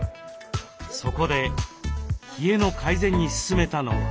そこで冷えの改善に勧めたのは。